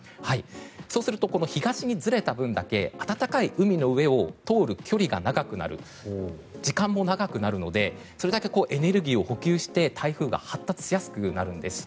そうすると、東にずれた分だけ暖かい海の上を通る距離が長くなる、時間も長くなるのでそれだけエネルギーを補給して台風が発達しやすくなるんです。